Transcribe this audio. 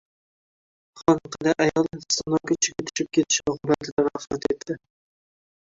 Xonqada ayol “stonok” ichiga tushib ketishi oqibatida vafot etdi